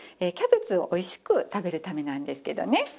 キャベツをおいしく食べるためなんですけどね。